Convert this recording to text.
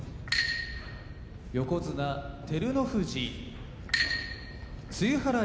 横綱照ノ富士露払い